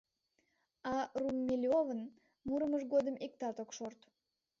А Румелёвын мурымыж годым иктат ок шорт.